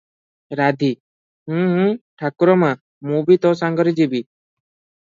ରାଧୀ - ଉଁ ଉଁ ଠାକୁରମା, ମୁଁ ବି ତୋ ସାଙ୍ଗରେ ଯିବି ।